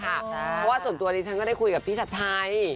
เพราะว่าส่วนตัวดิฉันก็ได้คุยกับพี่ชัดชัย